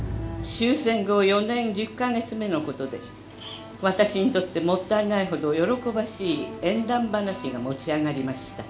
「終戦後四年十ヶ月目のことで私にとって勿体ないほど喜ばしい縁談話が持ち上がりました」。